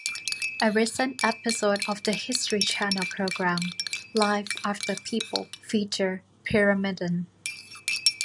A recent episode of the History Channel programme "Life After People" featured Pyramiden.